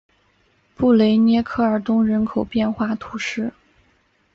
布雷涅科尔东人口变化图示